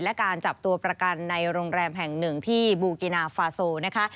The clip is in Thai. และการจับตัวประกันในโรงแรมแห่งหนึ่งที่บูกินาฟาโซนะคะ